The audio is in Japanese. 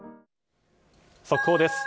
速報です。